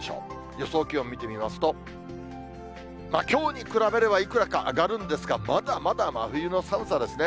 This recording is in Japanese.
予想気温見てみますと、きょうに比べれば、いくらか上がるんですが、まだまだ真冬の寒さですね。